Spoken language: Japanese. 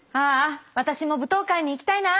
私も舞踏会に行きたいな。